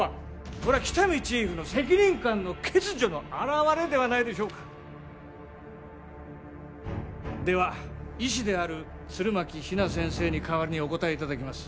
これは喜多見チーフの責任感の欠如の表れではないでしょうかでは医師である弦巻比奈先生に代わりにお答えいただきます